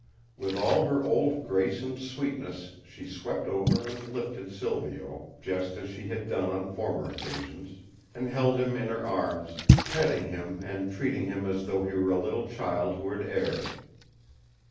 With all her old grace and sweetness she swept over and lifted Silvio, just as she had done on former occasions, and held him in her arms, petting him and treating him as though he were a little child who had erred.